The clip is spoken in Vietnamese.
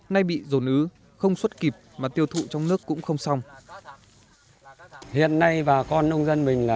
nay bị dồn ứ không xuất kịp mà tiêu thụ trong nước cũng không xong